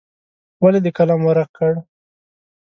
ولې دې قلم ورک کړ.